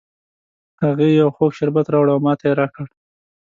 هغې یو خوږ شربت راوړ او ماته یې را کړ